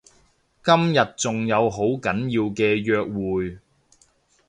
今日仲有好緊要嘅約會